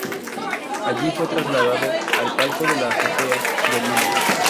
Allí fue trasladado el palco de la Azotea de Lima.